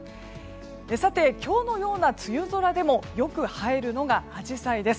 今日のような梅雨空でもよく映えるのがアジサイです。